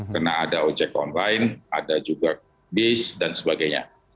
karena ada ojek online ada juga bis dan sebagainya